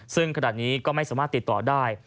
ซึ่งขณะนี้ก็ไม่สามารถติดต่อได้